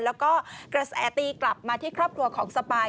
แล้วก็กระแสตีกลับมาที่ครอบครัวของสปาย